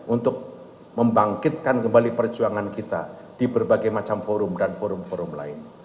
untuk membangkitkan kembali perjuangan kita di berbagai macam forum dan forum forum lain